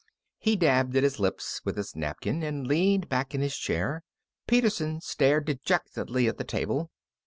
He dabbed at his lips with his napkin and leaned back in his chair. Peterson stared dejectedly at the table.